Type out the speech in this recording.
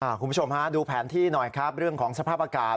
คุณผู้ชมฮะดูแผนที่หน่อยครับเรื่องของสภาพอากาศ